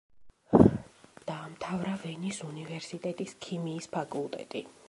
დაამთავრა ვენის უნივერსიტეტის ქიმიის ფაკულტეტი.